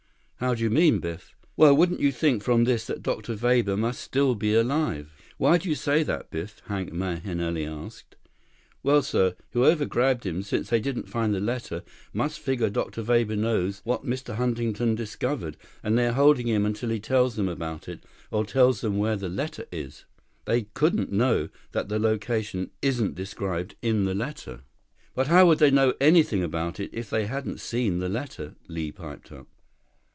"How do you mean, Biff?" "Well, wouldn't you think from this that Dr. Weber must still be alive?" "Why do you say that, Biff?" Hank Mahenili asked. "Well, sir, whoever grabbed him, since they didn't find the letter, must figure Dr. Weber knows what Mr. Huntington discovered, and they're holding him until he tells them about it, or tells them where the letter is. They couldn't know that the location isn't described in the letter." "But how would they know anything about it if they hadn't seen the letter?" Li piped up.